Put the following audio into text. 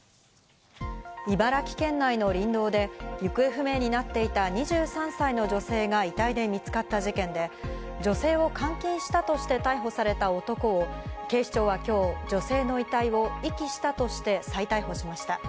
茨城県内の林道で行方不明になっていた２３歳の女性が遺体で見つかった事件で、女性を監禁したとして逮捕された男を警視庁は今日、女性の遺体を遺棄したとして再逮捕しました。